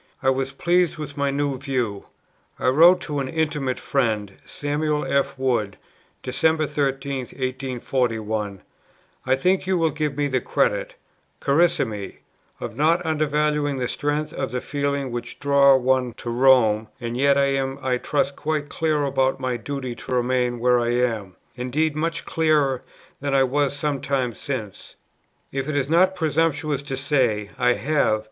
I was pleased with my new view. I wrote to an intimate friend, Samuel F. Wood, Dec. 13, 1841: "I think you will give me the credit, Carissime, of not undervaluing the strength of the feelings which draw one [to Rome], and yet I am (I trust) quite clear about my duty to remain where I am; indeed, much clearer than I was some time since. If it is not presumptuous to say, I have